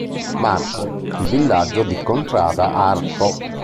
Marco, il Villaggio di contrada Arco.